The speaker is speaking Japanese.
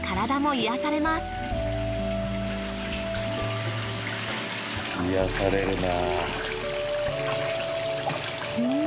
癒やされるな。